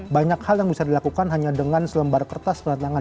banyak hal yang bisa dilakukan hanya dengan selembar kertas pada tangan